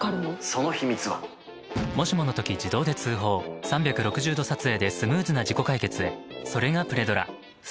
そのヒミツは３６０°撮影でスムーズな事故解決へそれが「プレドラ」